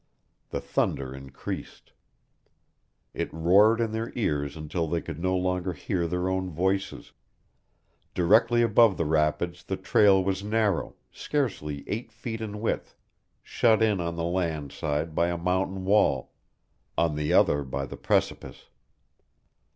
The thunder increased. It roared in their ears until they could no longer hear their own voices. Directly above the rapids the trail was narrow, scarcely eight feet in width, shut in on the land side by a mountain wall, on the other by the precipice.